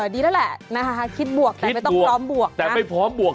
ดีแล้วแหละคิดบวกไม่ต้องพร้อมบวก